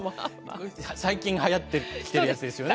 最近はやってきてるやつですよね。